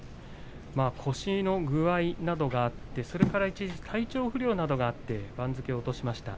腰の具合などがあって一時、体調不良もあって番付を落としました。